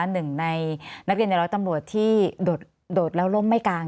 หนึ่งในนักเรียนในร้อยตำรวจที่โดดแล้วล่มไม่กลาง